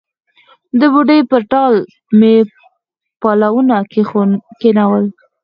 د بوډۍ پر ټال مې پلونه کښېښول